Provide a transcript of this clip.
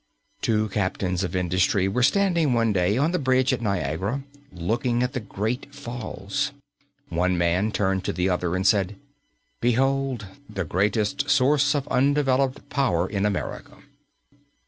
Two captains of industry were standing, one day, on the bridge at Niagara looking at the great falls. One man turned to the other and said: "Behold the greatest source of undeveloped power in America."